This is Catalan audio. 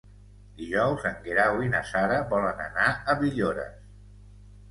Dijous en Guerau i na Sara volen anar a Villores.